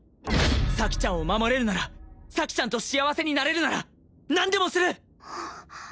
咲ちゃんを守れるなら咲ちゃんと幸せになれるなら何でもする！